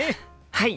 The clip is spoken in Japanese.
はい！